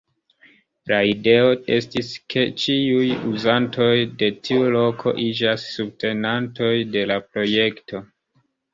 La ideo estis ke ĉiuj uzantoj de tiu loko iĝas subtenantoj de la projekto.